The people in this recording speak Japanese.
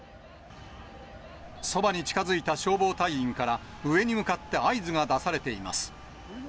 そばに近づいた消防隊員から、上に向かって合図が出されています。